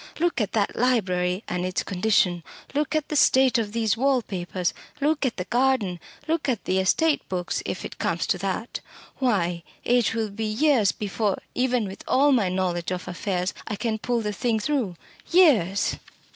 Look at that library, and its condition; look at the state of these wall papers; look at the garden; look at the estate books if it comes to that. Why, it will be years before, even with all my knowledge of affairs, I can pull the thing through years!"